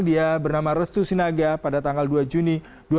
dia bernama restu sinaga pada tanggal dua juni dua ribu dua puluh